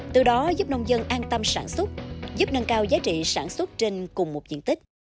từ đó giúp nông dân an tâm sản xuất giúp nâng cao giá trị sản xuất trên cùng một diện tích